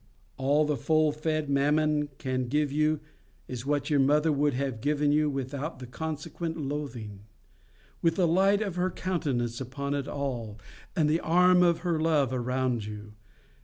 All the full fed Mammon can give you is what your mother would have given you without the consequent loathing, with the light of her countenance upon it all, and the arm of her love around you.